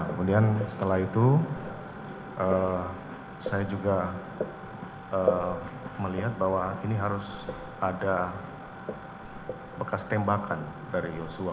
kemudian setelah itu saya juga melihat bahwa ini harus ada bekas tembakan dari yosua